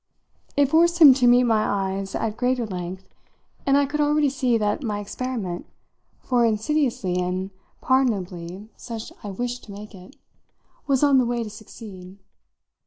It forced him to meet my eyes at greater length, and I could already see that my experiment for insidiously and pardonably such I wished to make it was on the way to succeed.